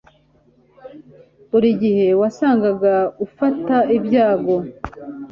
buri gihe wasangaga ufata ibyago